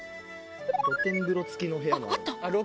露天風呂付きの部屋もある。